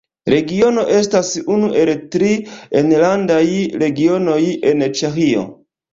Regiono estas unu el tri enlandaj Regionoj en Ĉeĥio.